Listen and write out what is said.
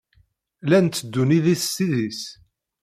Llan tteddun idis s idis.